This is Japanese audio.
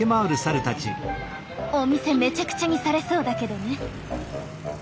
お店めちゃくちゃにされそうだけどね。